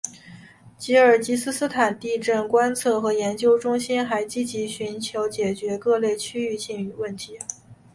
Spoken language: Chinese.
吉尔吉斯斯坦地震观测和研究中心还积极寻求解决各类区域性问题。